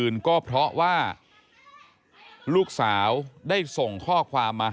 ไอ้แม่ได้เอาแม่ได้เอาแม่